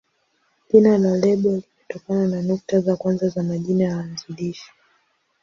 Jina la lebo limetokana na nukta za kwanza za majina ya waanzilishi.